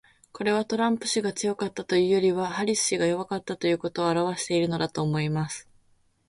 これは、トランプ氏が強かったというよりはハリス氏が弱かったということを表してるのだと思います。